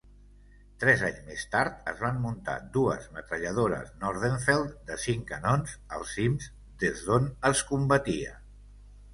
Tres anys més tard es van muntar dues metralladores Nordenfeldt de cinc canons als cims des don es combatia.